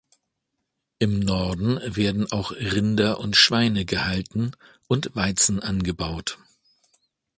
Im Norden werden auch Rinder und Schweine gehalten und Weizen angebaut.